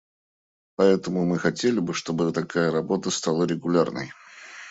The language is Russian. Поэтому мы хотели бы, чтобы такая работа стала регулярной.